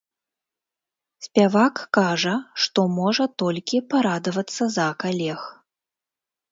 Спявак кажа, што можа толькі парадавацца за калег.